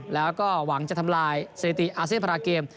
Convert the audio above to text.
แล้วก็หวังจะทำลายเสียที่อาเซียปราเกม